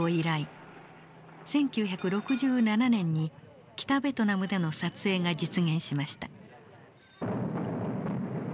１９６７年に北ベトナムでの撮影が実現しました。